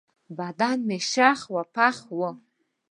بدن مې شخ پخ و.